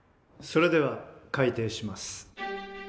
それでは開廷します。